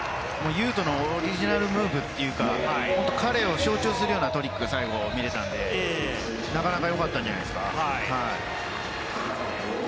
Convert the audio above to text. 雄斗のオリジナルムーブというか、彼を象徴するようなトリック、最後見れたので、なかなかよかったんじゃないですか。